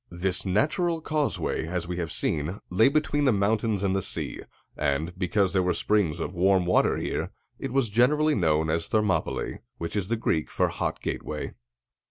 This natural causeway, as we have seen, lay between the mountains and the sea; and, because there were springs of warm water here, it was generally known as Thermopylæ, which is the Greek for "Hot Gateway."